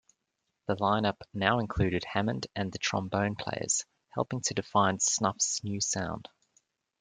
The line-up now included Hammond and trombone players, helping to define Snuff's new sound.